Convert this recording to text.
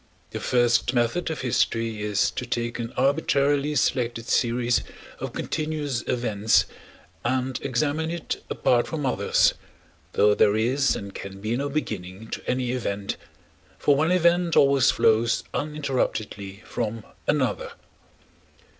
The first method of history is to take an arbitrarily selected series of continuous events and examine it apart from others, though there is and can be no beginning to any event, for one event always flows uninterruptedly from another.